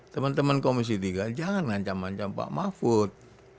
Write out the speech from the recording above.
teman teman komisi tiga jangan ancam mencam pak mahfud